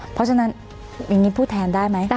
เพราะฉะนั้นอย่างนี้พูดแทนได้ไหม